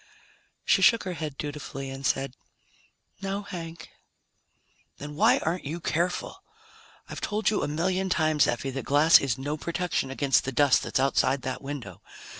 _ She shook her head dutifully and said, "No, Hank." "Then why aren't you careful? I've told you a million times, Effie, that glass is no protection against the dust that's outside that window.